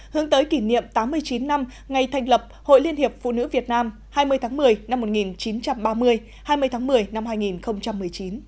hướng tới kỷ niệm tám mươi chín năm ngày thành lập hội liên hiệp phụ nữ việt nam hai mươi tháng một mươi năm một nghìn chín trăm ba mươi hai mươi tháng một mươi năm hai nghìn một mươi chín